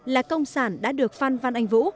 là công sản đã được phan phan anh vũ